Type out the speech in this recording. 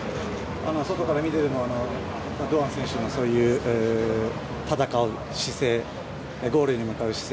外から見ていても堂安選手のそういう戦う姿勢ゴールへ向かう姿勢